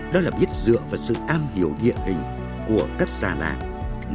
đó là biết dựa vào sự am hiểu địa hình của các già làng